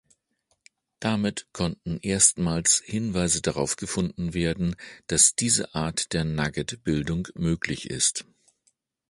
Damit konnten erstmals Hinweise darauf gefunden werden, dass diese Art der Nugget-Bildung möglich ist.